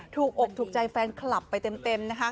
อกถูกใจแฟนคลับไปเต็มนะคะ